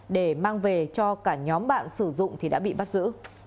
để mang về cho cả nhóm bạn sử dụng thì đã bị bắt giữ